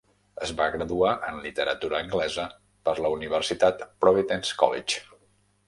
Es va graduar en Literatura Anglesa per la Universitat Providence College.